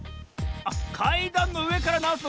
あっかいだんのうえからなおすのね。